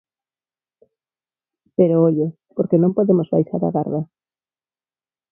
Pero, ollo, porque non podemos baixar a garda.